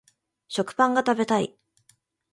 食パンが食べたい